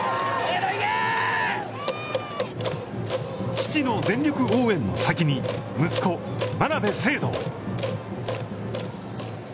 父の全力応援の先に息子真鍋成憧。